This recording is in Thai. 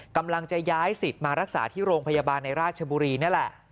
กำลังจะย้ายสิทธิ์มารักษาที่โรงพยาบาลในราชบุรีนี่แหละ